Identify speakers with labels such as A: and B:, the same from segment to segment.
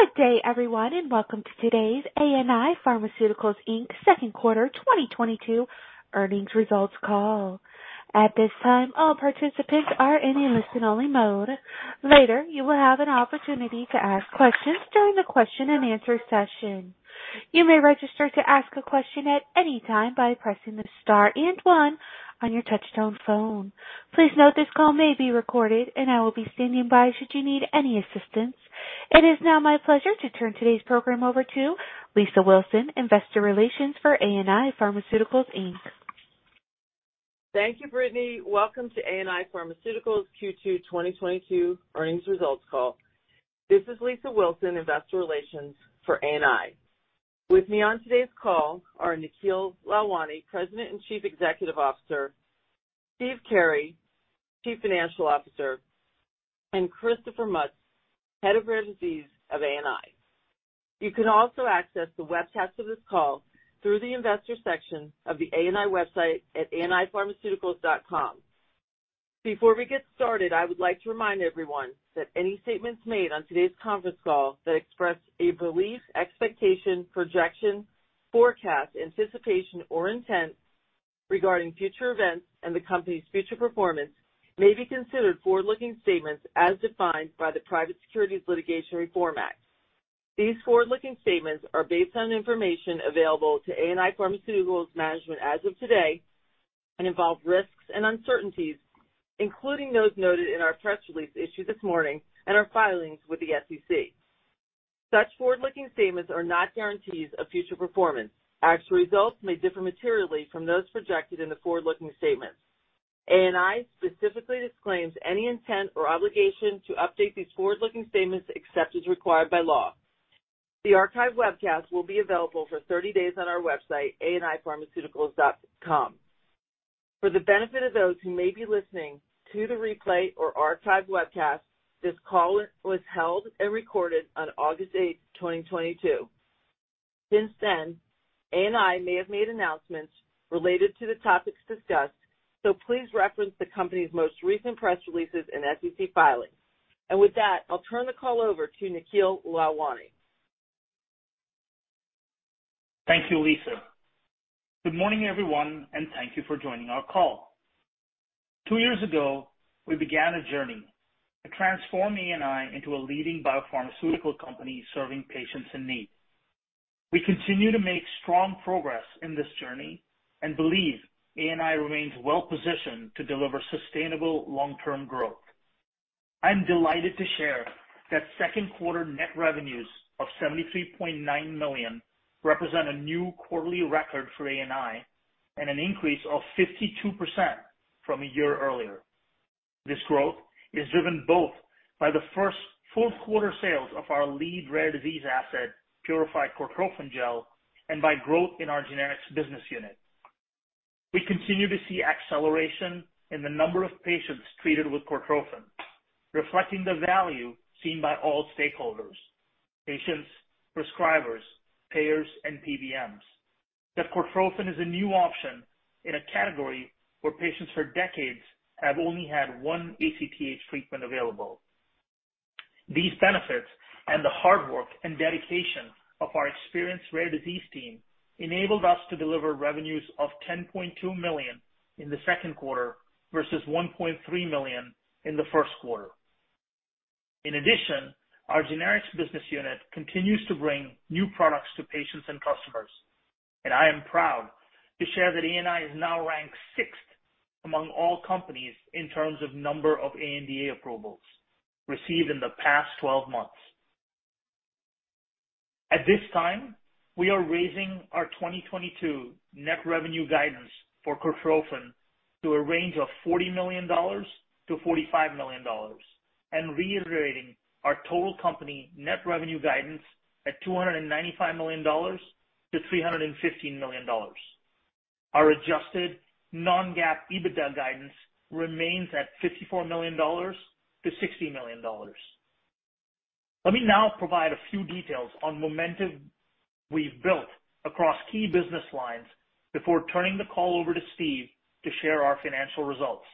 A: Good day, everyone, and welcome to today's ANI Pharmaceuticals, Inc. Second Quarter 2022 Earnings Results call. At this time, all participants are in a listen-only mode. Later, you will have an opportunity to ask questions during the question-and-answer session. You may register to ask a question at any time by pressing the star and one on your touchtone phone. Please note this call may be recorded, and I will be standing by should you need any assistance. It is now my pleasure to turn today's program over to Lisa Wilson, Investor Relations for ANI Pharmaceuticals, Inc.
B: Thank you, Brittany. Welcome to ANI Pharmaceuticals Q2 2022 earnings results call. This is Lisa Wilson, Investor Relations for ANI. With me on today's call are Nikhil Lalwani, President and Chief Executive Officer, Steve Carey, Chief Financial Officer, and Christopher Mutz, Head of Rare Disease of ANI. You can also access the webcast of this call through the investor section of the ANI website at anipharmaceuticals.com. Before we get started, I would like to remind everyone that any statements made on today's conference call that express a belief, expectation, projection, forecast, anticipation, or intent regarding future events and the company's future performance may be considered forward-looking statements as defined by the Private Securities Litigation Reform Act. These forward-looking statements are based on information available to ANI Pharmaceuticals management as of today and involve risks and uncertainties, including those noted in our press release issued this morning and our filings with the SEC. Such forward-looking statements are not guarantees of future performance. Actual results may differ materially from those projected in the forward-looking statements. ANI specifically disclaims any intent or obligation to update these forward-looking statements except as required by law. The archive webcast will be available for 30 days on our website, anipharmaceuticals.com. For the benefit of those who may be listening to the replay or archive webcast, this call was held and recorded on August 8th, 2022. Since then, ANI may have made announcements related to the topics discussed, so please reference the company's most recent press releases and SEC filings. With that, I'll turn the call over to Nikhil Lalwani.
C: Thank you, Lisa. Good morning, everyone, and thank you for joining our call. Two years ago, we began a journey to transform ANI into a leading biopharmaceutical company serving patients in need. We continue to make strong progress in this journey and believe ANI remains well-positioned to deliver sustainable long-term growth. I'm delighted to share that second quarter net revenues of $73.9 million represent a new quarterly record for ANI and an increase of 52% from a year earlier. This growth is driven both by the first full quarter sales of our lead rare disease asset, Purified Cortrophin Gel, and by growth in our generics business unit. We continue to see acceleration in the number of patients treated with Cortrophin, reflecting the value seen by all stakeholders, patients, prescribers, payers, and PBMs. That Cortrophin is a new option in a category where patients for decades have only had one ACTH treatment available. These benefits and the hard work and dedication of our experienced rare disease team enabled us to deliver revenues of $10.2 million in the second quarter versus $1.3 million in the first quarter. In addition, our generics business unit continues to bring new products to patients and customers, and I am proud to share that ANI is now ranked sixth among all companies in terms of number of ANDA approvals received in the past 12 months. At this time, we are raising our 2022 net revenue guidance for Cortrophin to a range of $40 million-$45 million and reiterating our total company net revenue guidance at $295 million-$315 million. Our adjusted non-GAAP EBITDA guidance remains at $54 million-$60 million. Let me now provide a few details on momentum we've built across key business lines before turning the call over to Steve to share our financial results.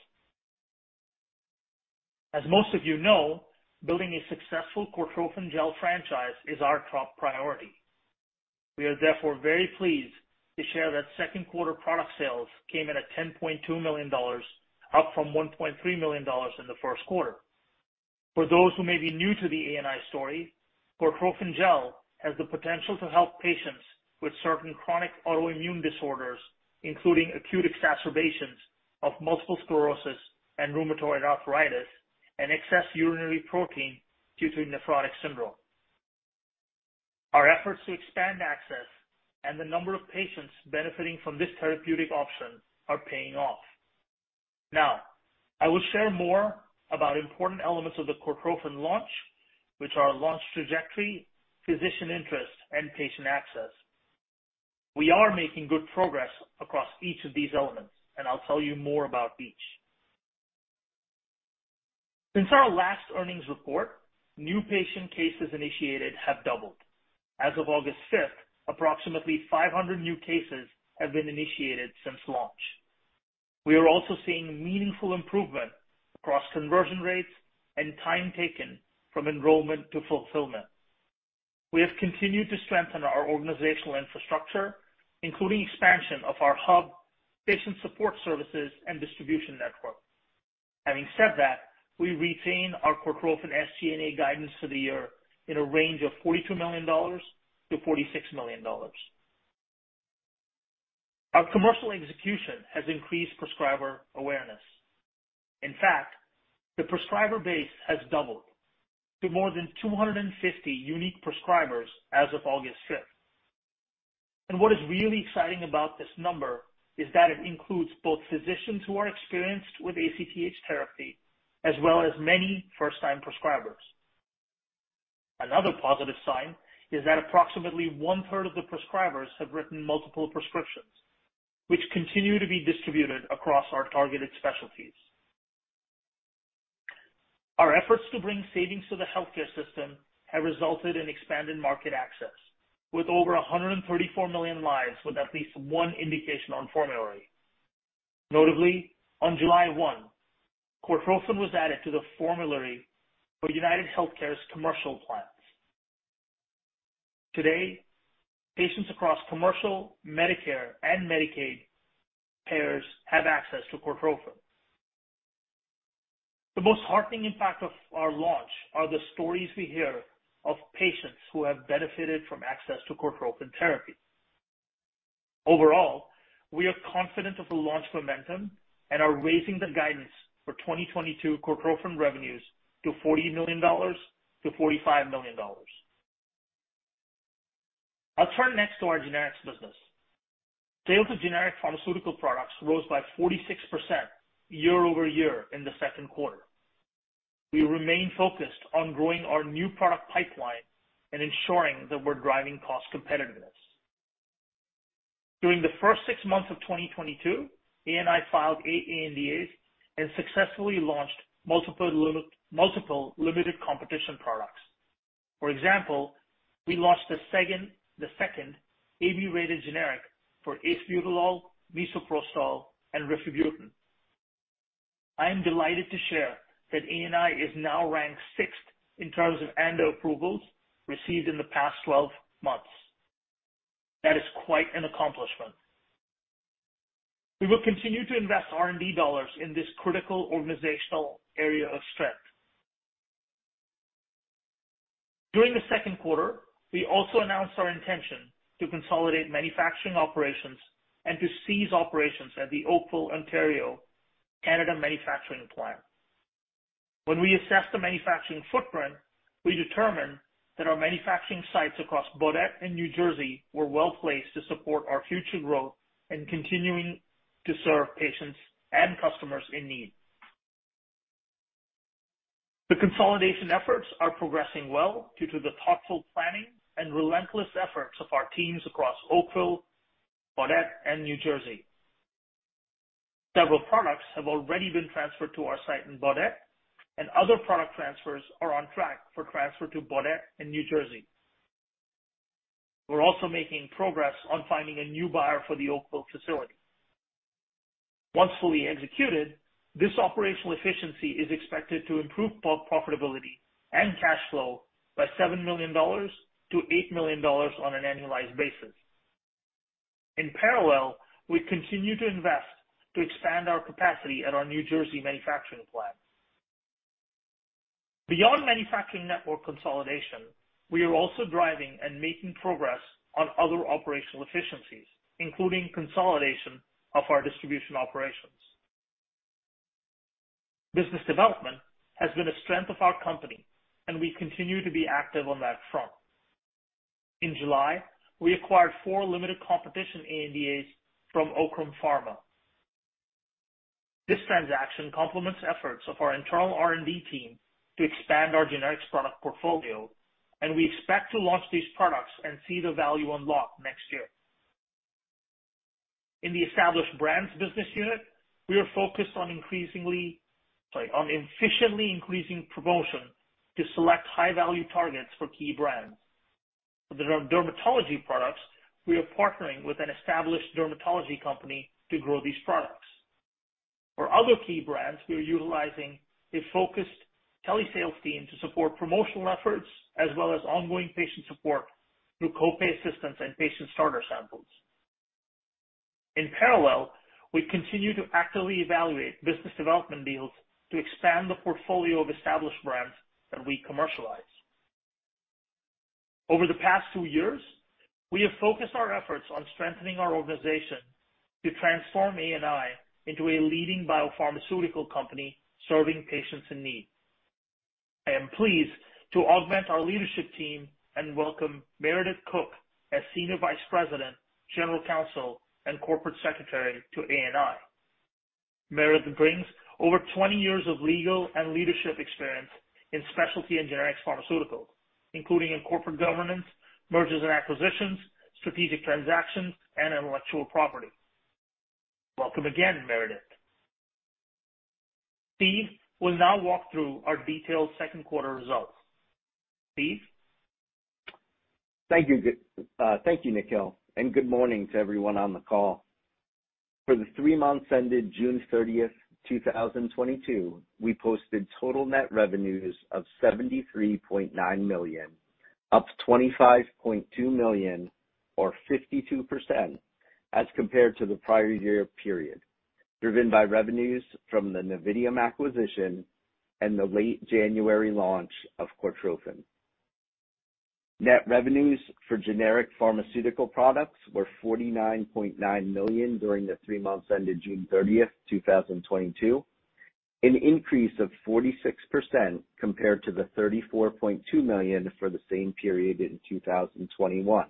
C: As most of you know, building a successful Cortrophin Gel franchise is our top priority. We are therefore very pleased to share that second quarter product sales came in at $10.2 million, up from $1.3 million in the first quarter. For those who may be new to the ANI story, Cortrophin Gel has the potential to help patients with certain chronic autoimmune disorders, including acute exacerbations of multiple sclerosis and rheumatoid arthritis and excess urinary protein due to nephrotic syndrome. Our efforts to expand access and the number of patients benefiting from this therapeutic option are paying off. Now, I will share more about important elements of the Cortrophin launch, which are launch trajectory, physician interest, and patient access. We are making good progress across each of these elements, and I'll tell you more about each. Since our last earnings report, new patient cases initiated have doubled. As of August 5th, approximately 500 new cases have been initiated since launch. We are also seeing meaningful improvement across conversion rates and time taken from enrollment to fulfillment. We have continued to strengthen our organizational infrastructure, including expansion of our hub, patient support services, and distribution network. Having said that, we retain our Cortrophin SG&A guidance for the year in a range of $42 million-$46 million. Our commercial execution has increased prescriber awareness. In fact, the prescriber base has doubled to more than 250 unique prescribers as of August 5th. What is really exciting about this number is that it includes both physicians who are experienced with ACTH therapy as well as many first-time prescribers. Another positive sign is that approximately 1/3 of the prescribers have written multiple prescriptions, which continue to be distributed across our targeted specialties. Our efforts to bring savings to the healthcare system have resulted in expanded market access, with over 134 million lives with at least one indication on formulary. Notably, on July 1, Cortrophin was added to the formulary for UnitedHealthcare's commercial plans. Today, patients across commercial, Medicare, and Medicaid payers have access to Cortrophin. The most heartening impact of our launch are the stories we hear of patients who have benefited from access to Cortrophin therapy. Overall, we are confident of the launch momentum and are raising the guidance for 2022 Cortrophin revenues to $40 million-$45 million. I'll turn next to our generics business. Sales of generic pharmaceutical products rose by 46% year-over-year in the second quarter. We remain focused on growing our new product pipeline and ensuring that we're driving cost competitiveness. During the first six months of 2022, ANI filed eight ANDAs and successfully launched multiple limited competition products. For example, we launched the second AB-rated generic for Acebutolol, Misoprostol, and Rifabutin. I am delighted to share that ANI is now ranked sixth in terms of ANDA approvals received in the past 12 months. That is quite an accomplishment. We will continue to invest R&D dollars in this critical organizational area of strength. During the second quarter, we also announced our intention to consolidate manufacturing operations and to cease operations at the Oakville, Ontario, Canada, manufacturing plant. When we assessed the manufacturing footprint, we determined that our manufacturing sites across Baudette and New Jersey were well placed to support our future growth and continuing to serve patients and customers in need. The consolidation efforts are progressing well due to the thoughtful planning and relentless efforts of our teams across Oakville, Baudette and New Jersey. Several products have already been transferred to our site in Baudette, and other product transfers are on track for transfer to Baudette and New Jersey. We're also making progress on finding a new buyer for the Oakville facility. Once fully executed, this operational efficiency is expected to improve both profitability and cash flow by $7 million-$8 million on an annualized basis. In parallel, we continue to invest to expand our capacity at our New Jersey manufacturing plant. Beyond manufacturing network consolidation, we are also driving and making progress on other operational efficiencies, including consolidation of our distribution operations. Business development has been a strength of our company, and we continue to be active on that front. In July, we acquired four limited competition ANDAs from Oakrum Pharma. This transaction complements efforts of our internal R&D team to expand our generics product portfolio, and we expect to launch these products and see the value unlock next year. In the established brands business unit, we are focused on efficiently increasing promotion to select high-value targets for key brands. For the dermatology products, we are partnering with an established dermatology company to grow these products. For other key brands, we are utilizing a focused telesales team to support promotional efforts, as well as ongoing patient support through co-pay assistance and patient starter samples. In parallel, we continue to actively evaluate business development deals to expand the portfolio of established brands that we commercialize. Over the past two years, we have focused our efforts on strengthening our organization to transform ANI into a leading biopharmaceutical company serving patients in need. I am pleased to augment our leadership team and welcome Meredith Cook as Senior Vice President, General Counsel, and Corporate Secretary to ANI. Meredith brings over 20 years of legal and leadership experience in specialty and generics pharmaceuticals, including in corporate governance, mergers and acquisitions, strategic transactions, and intellectual property. Welcome again, Meredith. Steve will now walk through our detailed second quarter results. Steve?
D: Thank you, Nikhil, and good morning to everyone on the call. For the three months ended June 30th, 2022, we posted total net revenues of $73.9 million, up $25.2 million or 52% as compared to the prior year period, driven by revenues from the Novitium acquisition and the late January launch of Cortrophin. Net revenues for generic pharmaceutical products were $49.9 million during the three months ended June 30th, 2022, an increase of 46% compared to the $34.2 million for the same period in 2021.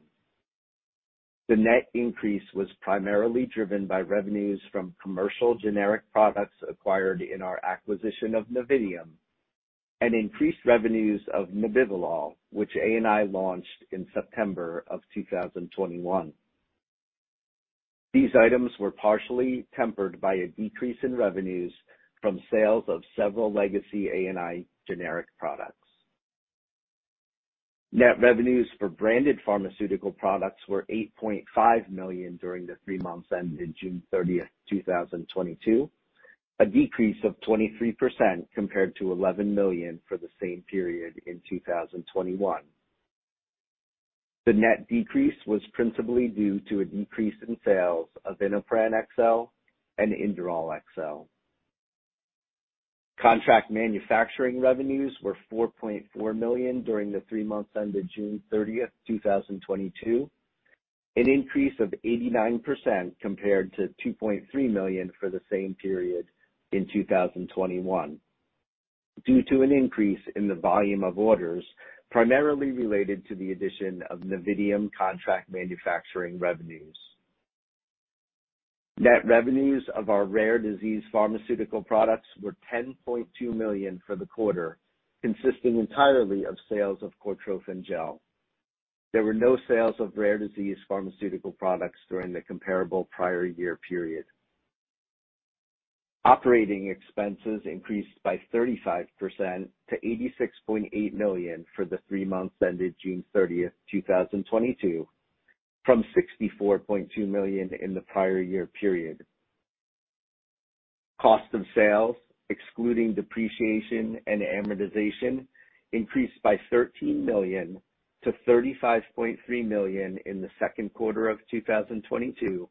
D: The net increase was primarily driven by revenues from commercial generic products acquired in our acquisition of Novitium and increased revenues of Nebivolol, which ANI launched in September 2021. These items were partially tempered by a decrease in revenues from sales of several legacy ANI generic products. Net revenues for branded pharmaceutical products were $8.5 million during the three months ended June 30th, 2022, a decrease of 23% compared to $11 million for the same period in 2021. The net decrease was principally due to a decrease in sales of InnoPran XL and Inderal XL. Contract manufacturing revenues were $4.4 million during the three months ended June 30th, 2022, an increase of 89% compared to $2.3 million for the same period in 2021, due to an increase in the volume of orders, primarily related to the addition of Novitium contract manufacturing revenues. Net revenues of our rare disease pharmaceutical products were $10.2 million for the quarter, consisting entirely of sales of Cortrophin Gel. There were no sales of rare disease pharmaceutical products during the comparable prior year period. Operating expenses increased by 35% to $86.8 million for the three months ended June 30th, 2022, from $64.2 million in the prior year period. Cost of sales, excluding depreciation and amortization, increased by $13 million to $35.3 million in the second quarter of 2022,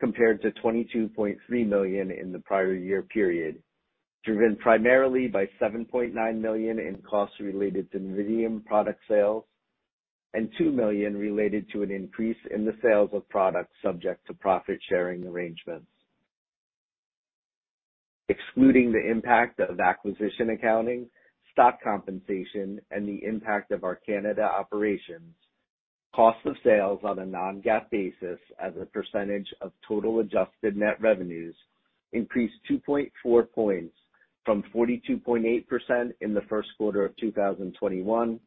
D: compared to $22.3 million in the prior year period, driven primarily by $7.9 million in costs related to Novitium product sales and $2 million related to an increase in the sales of products subject to profit-sharing arrangements. Excluding the impact of acquisition accounting, stock compensation, and the impact of our Canada operations, cost of sales on a non-GAAP basis as a percentage of total adjusted net revenues increased 2.4 points from 42.8% in the first quarter of 2021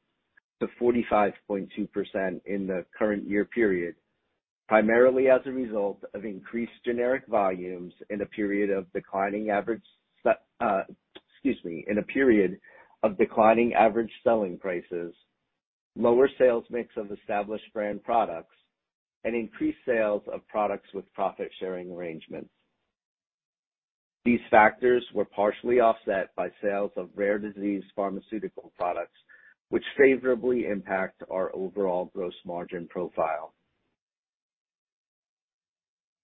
D: to 45.2% in the current year period, primarily as a result of increased generic volumes in a period of declining average selling prices, lower sales mix of established brand products, and increased sales of products with profit-sharing arrangements. These factors were partially offset by sales of rare disease pharmaceutical products, which favorably impact our overall gross margin profile.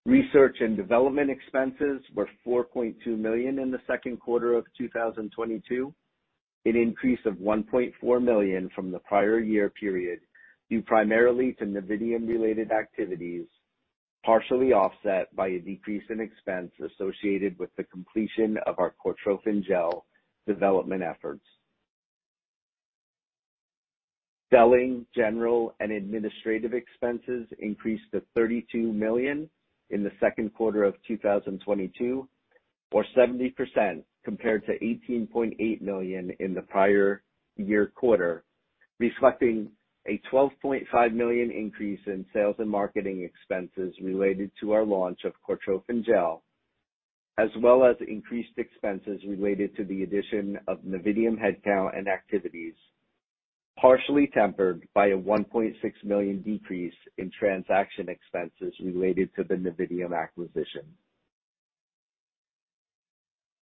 D: Research and development expenses were $4.2 million in the second quarter of 2022, an increase of $1.4 million from the prior year period, due primarily to Novitium-related activities, partially offset by a decrease in expense associated with the completion of our Cortrophin Gel development efforts. Selling, general, and administrative expenses increased to $32 million in the second quarter of 2022 or 70% compared to $18.8 million in the prior year quarter, reflecting a $12.5 million increase in sales and marketing expenses related to our launch of Cortrophin Gel, as well as increased expenses related to the addition of Novitium headcount and activities, partially tempered by a $1.6 million decrease in transaction expenses related to the Novitium acquisition.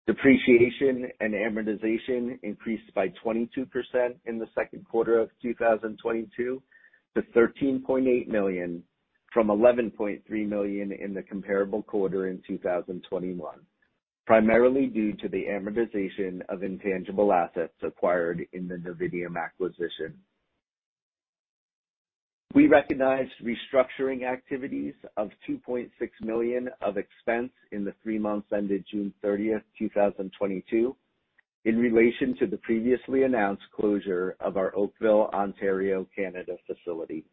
D: Depreciation and amortization increased by 22% in the second quarter of 2022 to $13.8 million from $11.3 million in the comparable quarter in 2021, primarily due to the amortization of intangible assets acquired in the Novitium acquisition. We recognized restructuring activities of $2.6 million of expense in the three months ended June 30th, 2022, in relation to the previously announced closure of our Oakville, Ontario, Canada facility.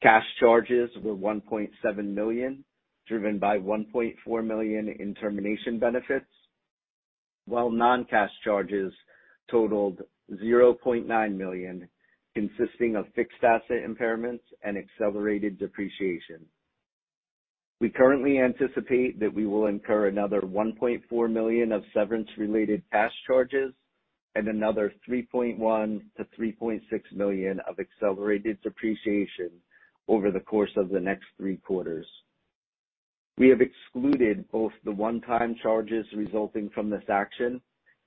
D: Cash charges were $1.7 million, driven by $1.4 million in termination benefits, while non-cash charges totaled $0.9 million, consisting of fixed asset impairments and accelerated depreciation. We currently anticipate that we will incur another $1.4 million of severance-related cash charges and another $3.1 million-$3.6 million of accelerated depreciation over the course of the next three quarters. We have excluded both the one-time charges resulting from this action,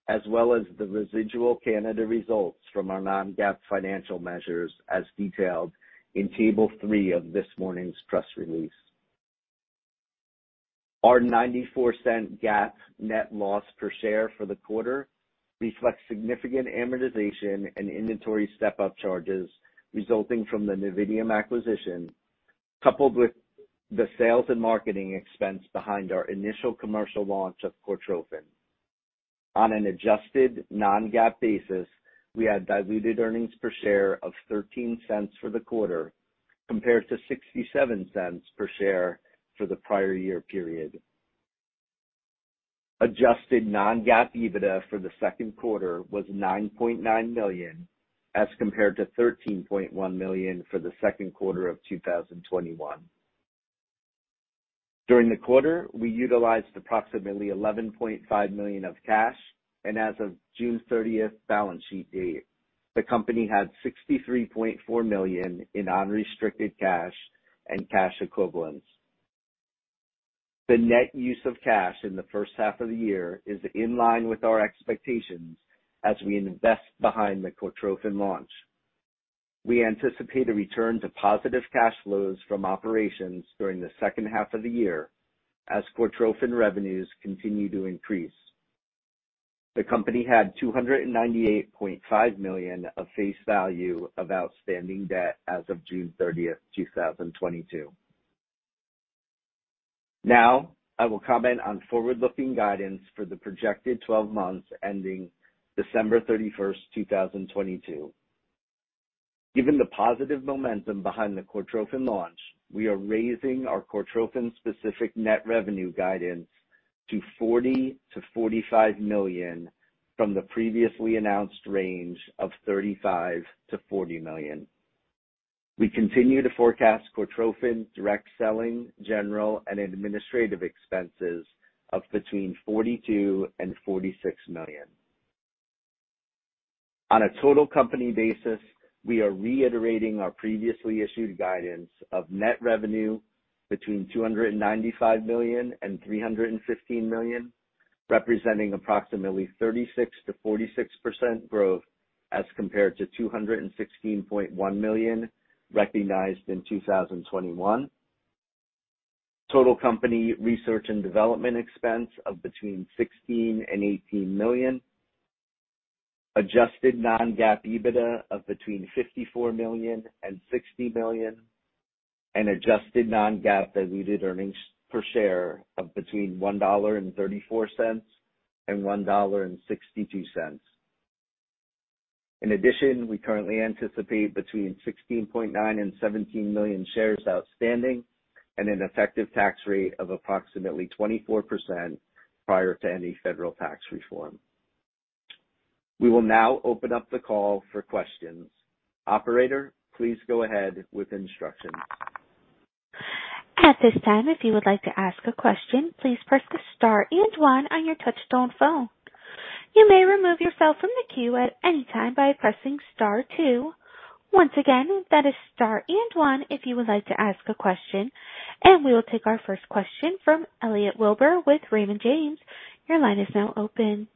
D: as well as the residual Canada results from our non-GAAP financial measures, as detailed in table three of this morning's press release. Our $0.94 GAAP net loss per share for the quarter reflects significant amortization and inventory step-up charges resulting from the Novitium acquisition, coupled with the sales and marketing expense behind our initial commercial launch of Cortrophin. On an adjusted non-GAAP basis, we had diluted earnings per share of $0.13 for the quarter compared to $0.67 per share for the prior year period. Adjusted non-GAAP EBITDA for the second quarter was $9.9 million as compared to $13.1 million for the second quarter of 2021. During the quarter, we utilized approximately $11.5 million of cash, and as of June 30th balance sheet date, the company had $63.4 million in unrestricted cash and cash equivalents. The net use of cash in the first half of the year is in line with our expectations as we invest behind the Cortrophin launch. We anticipate a return to positive cash flows from operations during the second half of the year as Cortrophin revenues continue to increase. The company had $298.5 million of face value of outstanding debt as of June 30th, 2022. Now I will comment on forward-looking guidance for the projected 12 months ending December 31st, 2022. Given the positive momentum behind the Cortrophin launch, we are raising our Cortrophin specific net revenue guidance to $40 million-$45 million from the previously announced range of $35 million-$40 million. We continue to forecast Cortrophin direct selling, general and administrative expenses of between $42 million and $46 million. On a total company basis, we are reiterating our previously issued guidance of net revenue between $295 million and $315 million, representing approximately 36%-46% growth as compared to $216.1 million recognized in 2021. Total company research and development expense of between $16 million and $18 million. Adjusted non-GAAP EBITDA of between $54 million and $60 million. Adjusted non-GAAP diluted earnings per share of between $1.34 and $1.62. In addition, we currently anticipate between 16.9 million and 17 million shares outstanding and an effective tax rate of approximately 24% prior to any federal tax reform. We will now open up the call for questions. Operator, please go ahead with instructions.
A: At this time, if you would like to ask a question, please press the star and one on your touchtone phone. You may remove yourself from the queue at any time by pressing star two. Once again, that is star and one if you would like to ask a question. We will take our first question from Elliot Wilbur with Raymond James. Your line is now open.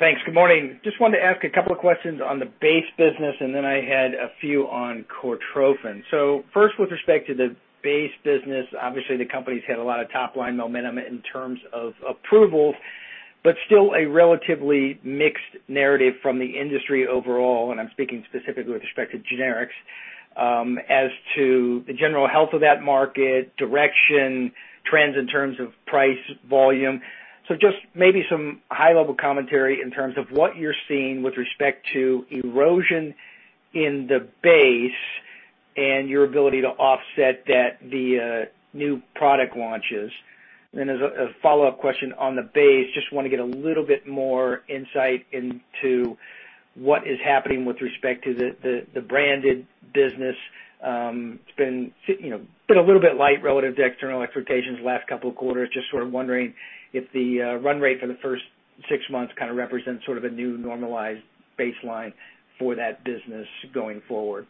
E: Thanks. Good morning. Just wanted to ask a couple of questions on the base business, and then I had a few on Cortrophin. First, with respect to the base business, obviously the company's had a lot of top-line momentum in terms of approvals, but still a relatively mixed narrative from the industry overall, and I'm speaking specifically with respect to generics, as to the general health of that market, direction, trends in terms of price, volume. Just maybe some high-level commentary in terms of what you're seeing with respect to erosion in the base and your ability to offset that via new product launches. As a follow-up question on the base, just wanna get a little bit more insight into what is happening with respect to the branded business. It's been, you know, a little bit light relative to external expectations last couple of quarters. Just sort of wondering if the run rate for the first six months kinda represents sort of a new normalized baseline for that business going forward.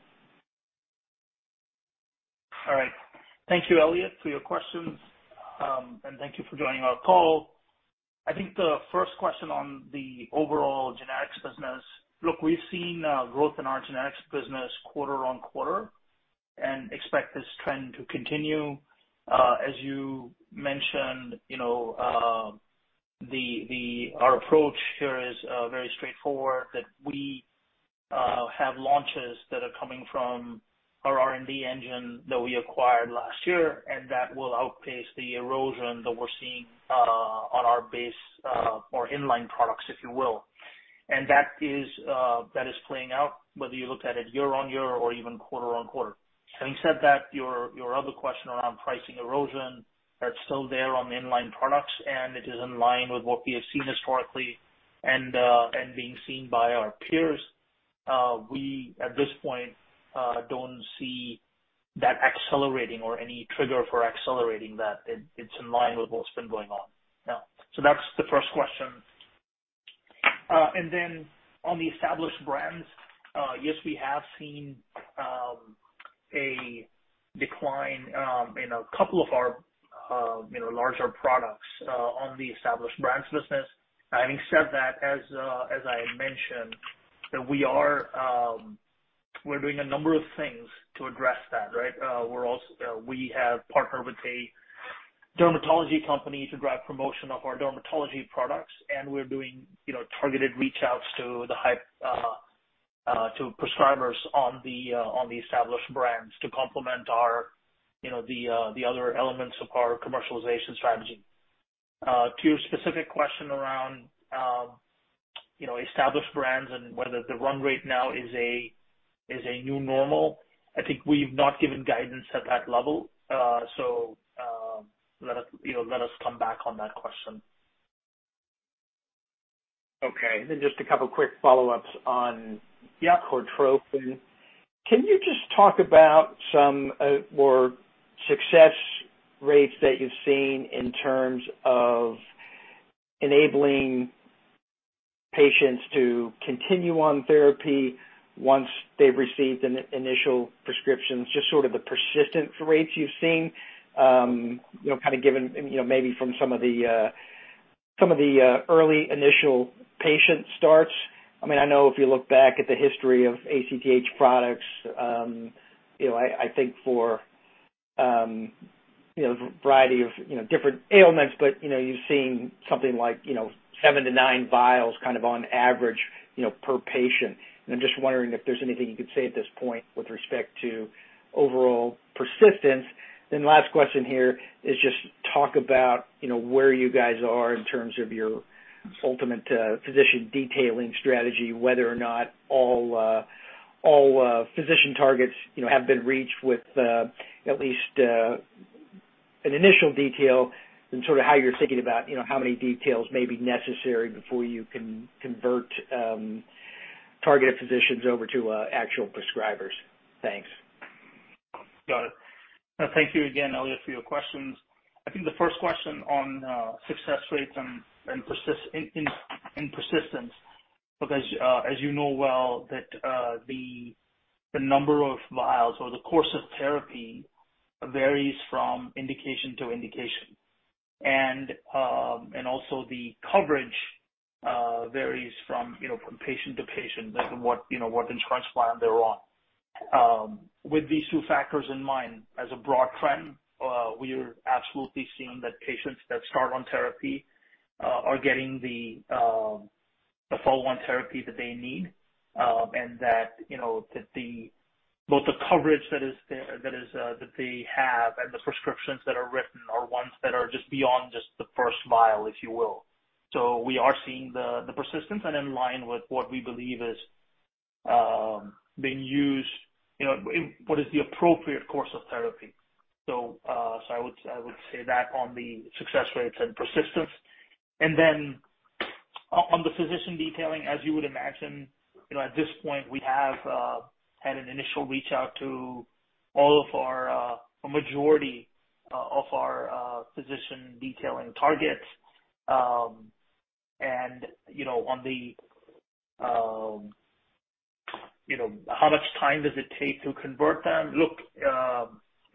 C: All right. Thank you, Elliot, for your questions, and thank you for joining our call. I think the first question on the overall generics business. Look, we've seen growth in our generics business quarter-over-quarter and expect this trend to continue. As you mentioned, you know, our approach here is very straightforward, that we have launches that are coming from our R&D engine that we acquired last year, and that will outpace the erosion that we're seeing on our base or in-line products, if you will. That is playing out whether you look at it year-over-year or even quarter-over-quarter. Having said that, your other question around pricing erosion, that's still there on the in-line products, and it is in line with what we have seen historically and being seen by our peers. We at this point don't see that accelerating or any trigger for accelerating that. It's in line with what's been going on. Yeah. That's the first question. On the established brands, yes, we have seen a decline in a couple of our, you know, larger products on the established brands business. Having said that, as I mentioned, we are doing a number of things to address that, right? We have partnered with a dermatology company to drive promotion of our dermatology products, and we're doing, you know, targeted reach-outs to prescribers on the established brands to complement our, you know, the other elements of our commercialization strategy. To your specific question around, you know, established brands and whether the run rate now is a new normal, I think we've not given guidance at that level. So, let us, you know, let us come back on that question.
E: Okay. Just a couple of quick follow-ups on the Cortrophin. Can you just talk about some or success rates that you've seen in terms of enabling patients to continue on therapy once they've received an initial prescription, just sort of the persistence rates you've seen, you know, kind of given, you know, maybe from some of the early initial patient starts. I mean, I know if you look back at the history of ACTH products, you know, I think for variety of different ailments, but, you know, you're seeing something like, you know, 7-9 vials kind of on average, you know, per patient. I'm just wondering if there's anything you could say at this point with respect to overall persistence. Last question here is just talk about, you know, where you guys are in terms of your ultimate physician detailing strategy, whether or not all physician targets, you know, have been reached with at least an initial detail and sort of how you're thinking about, you know, how many details may be necessary before you can convert targeted physicians over to actual prescribers. Thanks.
C: Got it. Thank you again, Elliot, for your questions. I think the first question on success rates and persistence, look, as you know well, that the number of vials or the course of therapy varies from indication to indication. Also, the coverage varies from, you know, from patient to patient, depending what, you know, what insurance plan they're on. With these two factors in mind, as a broad trend, we are absolutely seeing that patients that start on therapy are getting the follow-on therapy that they need, and that, you know, both the coverage that is there, that is, that they have and the prescriptions that are written are ones that are just beyond just the first vial, if you will. We are seeing the persistence and in line with what we believe is being used, you know, in what is the appropriate course of therapy. I would say that on the success rates and persistence. On the physician detailing, as you would imagine, you know, at this point, we have had an initial reach out to a majority of our physician detailing targets. You know, how much time does it take to convert them? Look,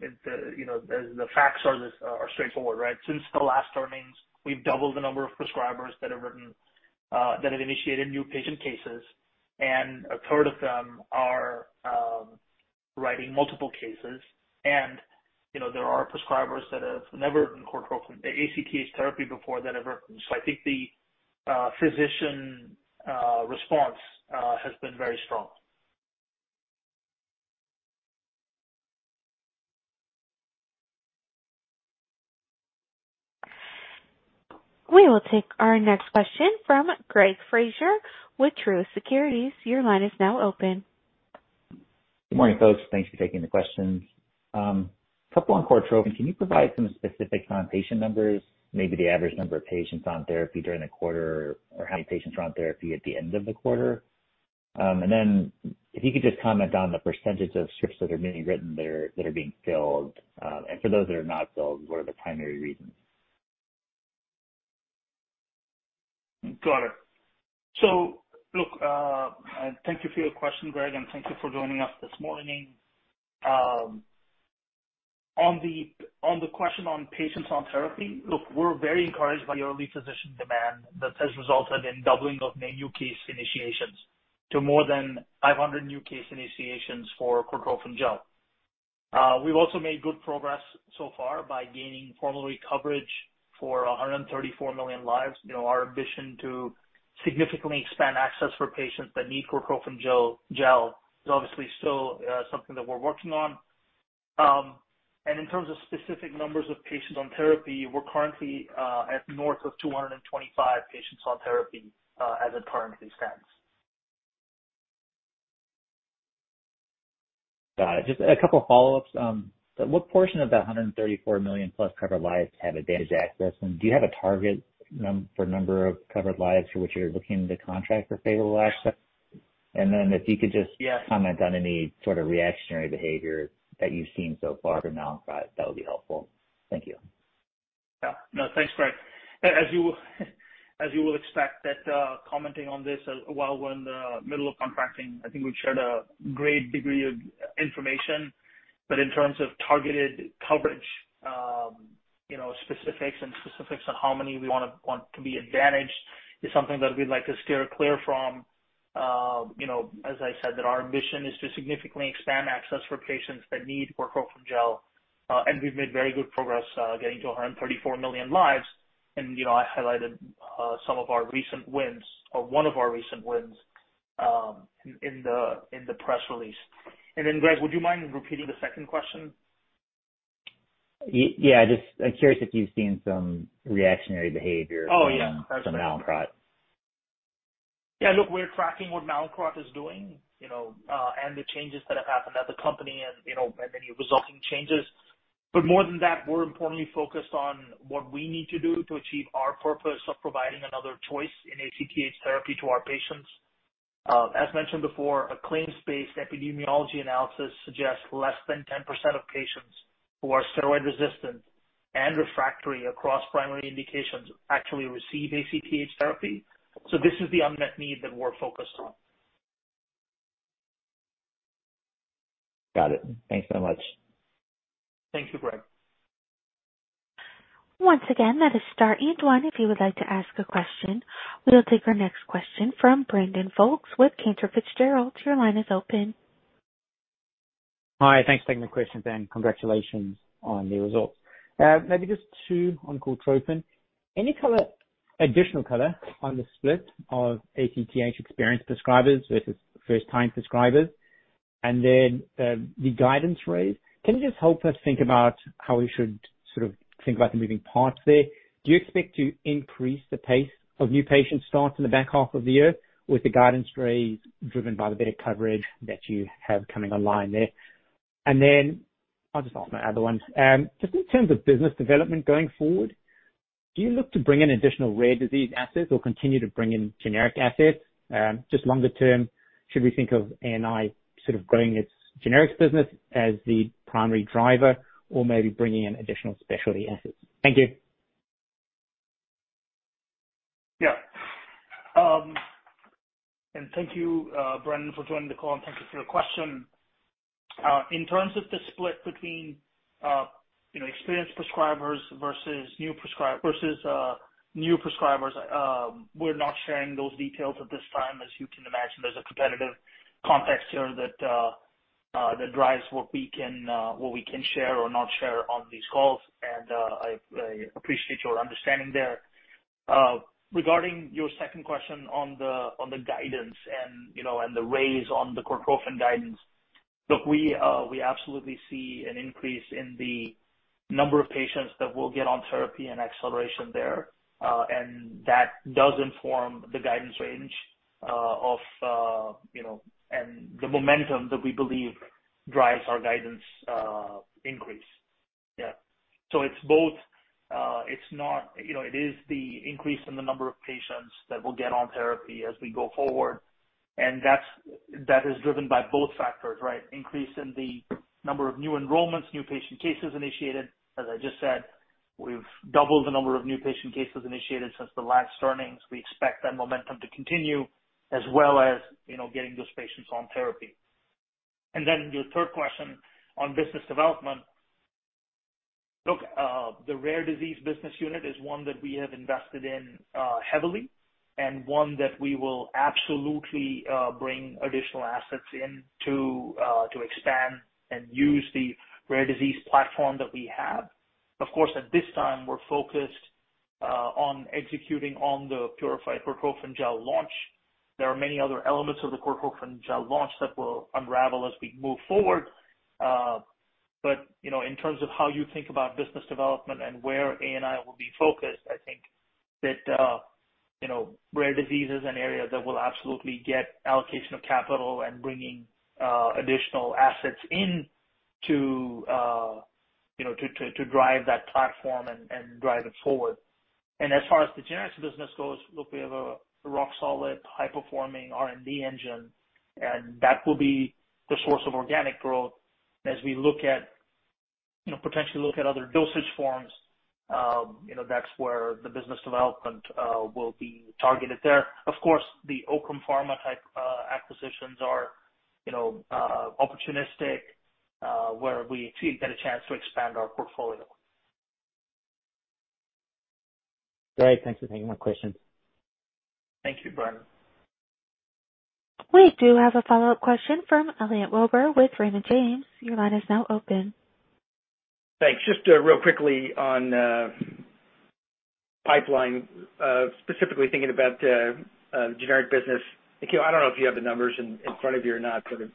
C: you know, the facts are straightforward, right? Since the last earnings, we've doubled the number of prescribers that have initiated new patient cases, and a third of them are writing multiple cases. You know, there are prescribers that have never written Cortrophin, ACTH therapy before that have written. I think the physician response has been very strong.
A: We will take our next question from Greg Fraser with Truist Securities. Your line is now open.
F: Good morning, folks. Thanks for taking the questions. A couple on Cortrophin. Can you provide some specific on patient numbers, maybe the average number of patients on therapy during the quarter or how many patients are on therapy at the end of the quarter? If you could just comment on the percentage of scripts that are being written that are being filled. For those that are not filled, what are the primary reasons?
C: Got it. Look, thank you for your question, Greg, and thank you for joining us this morning. On the question on patients on therapy, look, we're very encouraged by the early physician demand that has resulted in doubling of new case initiations to more than 500 new case initiations for Cortrophin Gel. We've also made good progress so far by gaining formal coverage for 134 million lives. You know, our ambition to significantly expand access for patients that need Cortrophin Gel is obviously still something that we're working on. In terms of specific numbers of patients on therapy, we're currently at north of 225 patients on therapy, as it currently stands.
F: Just a couple follow-ups. What portion of that 134 million+ covered lives have advantage access? Do you have a target number of covered lives for which you're looking to contract for favorable access? If you could just.
C: Yeah.
F: Comment on any sort of reactionary behavior that you've seen so far from Mallinckrodt, that would be helpful. Thank you.
C: Yeah. No, thanks, Greg. As you will expect that, commenting on this while we're in the middle of contracting, I think we've shared a great degree of information, but in terms of targeted coverage, you know, specifics on how many we wanna be advantaged is something that we'd like to steer clear from. You know, as I said, that our ambition is to significantly expand access for patients that need Cortrophin Gel, and we've made very good progress, getting to 134 million lives. You know, I highlighted some of our recent wins or one of our recent wins in the press release. Then Greg, would you mind repeating the second question?
F: Yeah. I'm curious if you've seen some reactionary behavior?
C: Oh, yeah.
F: from Mallinckrodt.
C: Yeah. Look, we're tracking what Mallinckrodt is doing, you know, and the changes that have happened at the company and, you know, and any resulting changes. More than that, we're importantly focused on what we need to do to achieve our purpose of providing another choice in ACTH therapy to our patients. As mentioned before, a claims-based epidemiology analysis suggests less than 10% of patients who are steroid resistant and refractory across primary indications actually receive ACTH therapy. This is the unmet need that we're focused on.
F: Got it. Thanks so much.
C: Thank you, Greg.
A: Once again, that is star and one if you would like to ask a question. We'll take our next question from Brandon Folkes with Cantor Fitzgerald. Your line is open.
G: Hi. Thanks for taking the questions and congratulations on the results. Maybe just two on Cortrophin. Any additional color on the split of ACTH experienced prescribers versus first-time prescribers? The guidance raise, can you just help us think about how we should sort of think about the moving parts there? Do you expect to increase the pace of new patient starts in the back half of the year with the guidance raise driven by the better coverage that you have coming online there? I'll just ask my other one. Just in terms of business development going forward, do you look to bring in additional rare disease assets or continue to bring in generic assets? Just longer term, should we think of ANI sort of growing its generics business as the primary driver or maybe bringing in additional specialty assets? Thank you.
C: Yeah. Thank you, Brandon, for joining the call and thank you for your question. In terms of the split between experienced prescribers versus new prescribers, we're not sharing those details at this time. As you can imagine, there's a competitive context here that drives what we can share or not share on these calls, and I appreciate your understanding there. Regarding your second question on the guidance and, you know, and the raise on the Cortrophin guidance. Look, we absolutely see an increase in the number of patients that will get on therapy and acceleration there. That does inform the guidance range of, you know, and the momentum that we believe drives our guidance increase. Yeah. It's both. You know, it is the increase in the number of patients that will get on therapy as we go forward, and that is driven by both factors, right? Increase in the number of new enrollments, new patient cases initiated. As I just said, we've doubled the number of new patient cases initiated since the last earnings. We expect that momentum to continue as well as, you know, getting those patients on therapy. Then your third question on business development. Look, the rare disease business unit is one that we have invested in heavily and one that we will absolutely bring additional assets in to expand and use the rare disease platform that we have. Of course, at this time, we're focused on executing on the Purified Cortrophin Gel launch. There are many other elements of the Cortrophin Gel launch that will unravel as we move forward. But, you know, in terms of how you think about business development and where ANI will be focused, I think that, you know, rare disease is an area that will absolutely get allocation of capital and bringing additional assets in to, you know, to drive that platform and drive it forward. As far as the generics business goes, look, we have a rock solid, high performing R&D engine, and that will be the source of organic growth as we look at, you know, potentially look at other dosage forms. You know, that's where the business development will be targeted there. Of course, the Oakrum Pharma-type acquisitions are, you know, opportunistic, where we get a chance to expand our portfolio.
G: Great. Thanks for taking my questions.
C: Thank you, Brandon.
A: We do have a follow-up question from Elliot Wilbur with Raymond James. Your line is now open.
E: Thanks. Just real quickly on pipeline, specifically thinking about generic business. Nikhil, I don't know if you have the numbers in front of you or not but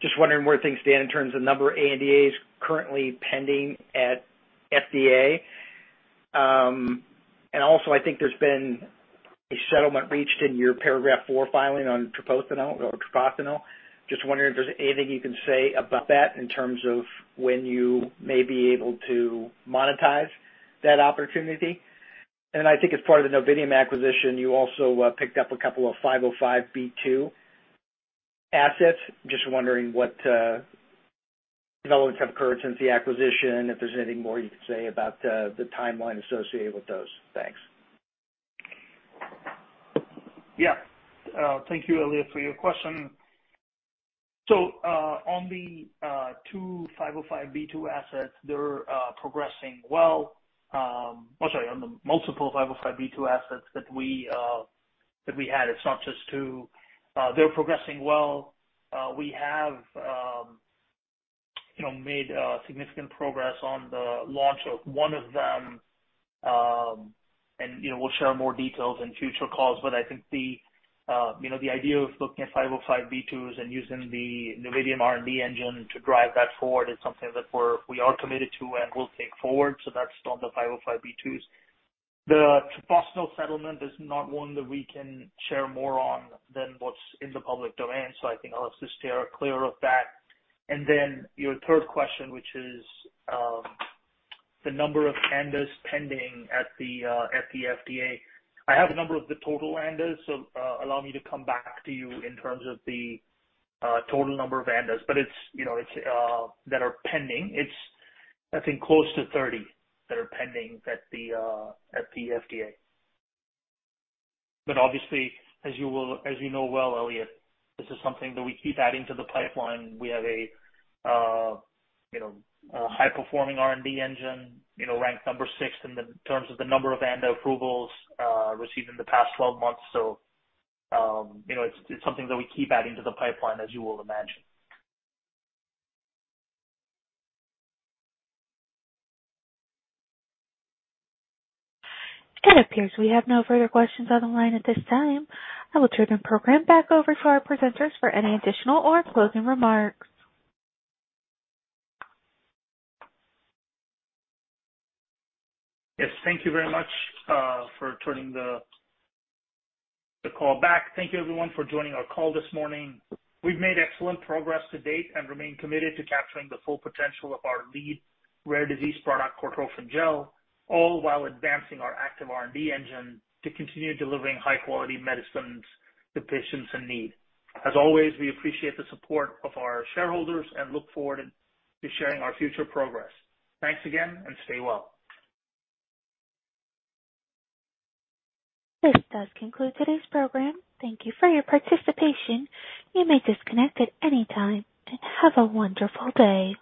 E: just wondering where things stand in terms of number of ANDAs currently pending at FDA. Also, I think there's been a settlement reached in your Paragraph IV filing on [treprostinil]. Just wondering if there's anything you can say about that in terms of when you may be able to monetize that opportunity. I think as part of the Novitium acquisition, you also picked up a couple of 505(b)(2) assets. Just wondering what developments have occurred since the acquisition, if there's anything more you can say about the timeline associated with those. Thanks.
C: Yeah. Thank you, Elliot, for your question. On the multiple 505(b)(2) assets that we had, it's not just two. They're progressing well. We have, you know, made significant progress on the launch of one of them. You know, we'll share more details in future calls, but I think the, you know, the idea of looking at 505(b)(2)s and using the Novitium R&D engine to drive that forward is something that we are committed to and will take forward. That's on the 505(b)(2)s. The Trokendi settlement is not one that we can share more on than what's in the public domain, so I think I'll just steer clear of that. Your third question, which is the number of ANDAs pending at the FDA. I have a number of the total ANDAs, so allow me to come back to you in terms of the total number of ANDAs. But it's, you know, that are pending. It's, I think, close to 30 that are pending at the FDA. But obviously, as you well know, Elliot, this is something that we keep adding to the pipeline. We have a, you know, a high-performing R&D engine, you know, ranked number 6 in terms of the number of ANDA approvals received in the past 12 months. You know, it's something that we keep adding to the pipeline, as you will imagine.
A: It appears we have no further questions on the line at this time. I will turn the program back over to our presenters for any additional or closing remarks.
C: Yes, thank you very much for turning the call back. Thank you everyone for joining our call this morning. We've made excellent progress to date and remain committed to capturing the full potential of our lead rare disease product, Cortrophin Gel, all while advancing our active R&D engine to continue delivering high quality medicines to patients in need. As always, we appreciate the support of our shareholders and look forward to sharing our future progress. Thanks again and stay well.
A: This does conclude today's program. Thank you for your participation. You may disconnect at any time, and have a wonderful day.